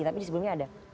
tapi di sebelumnya ada